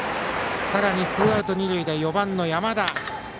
さらにツーアウト二塁で４番の山田。